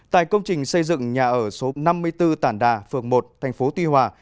tại công trình xây dựng nhà ở số năm mươi bốn tản đà phường một thành phố tuy hòa